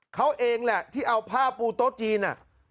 เขาเองแหละที่เอาผ้าปูโต๊ะจีน